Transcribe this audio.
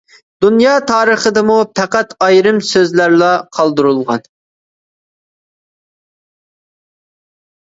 دۇنيا تارىخىدىمۇ پەقەت ئايرىم سۆزلەرلا قالدۇرۇلغان.